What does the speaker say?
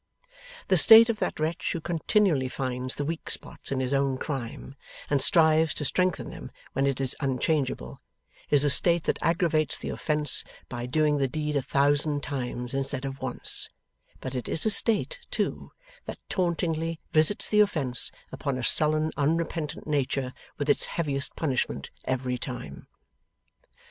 The state of that wretch who continually finds the weak spots in his own crime, and strives to strengthen them when it is unchangeable, is a state that aggravates the offence by doing the deed a thousand times instead of once; but it is a state, too, that tauntingly visits the offence upon a sullen unrepentant nature with its heaviest punishment every time.